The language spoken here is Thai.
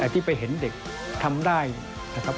ที่ไปเห็นเด็กทำได้นะครับ